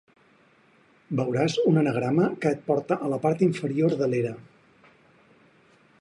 Beuràs un anagrama que et porta a la part inferior de l'era.